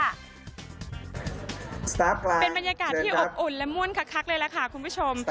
เป็นบรรยากาศที่อบอุ่นและม่วนคักเลยล่ะค่ะคุณผู้ชม